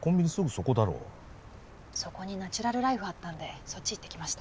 そこにナチュラルライフあったんでそっち行ってきました。